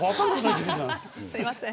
すいません。